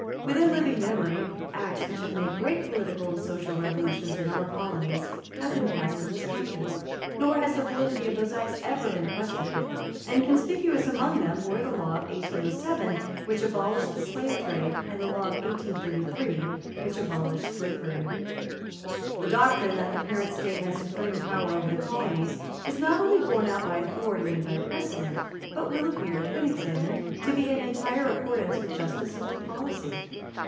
Within living memory, Acts which have made great political and social revolutions in our Colonies have been passed in this country; nor has the validity of those Acts ever been questioned; and conspicuous among them were the law of 1807 which abolished the slave trade, and the law of 1833 which abolished slavery. The doctrine that the parent state has supreme power over the colonies is not only borne out by authority and by precedent, but will appear, when examined, to be in entire accordance with justice and with policy.